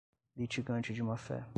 litigante de má-fé